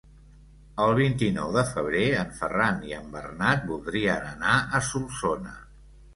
El vint-i-nou de febrer en Ferran i en Bernat voldrien anar a Solsona.